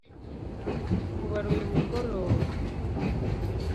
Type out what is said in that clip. kubara uyu mugoroba